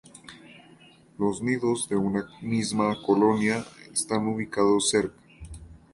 Los nidos de una misma colonia están ubicados cerca.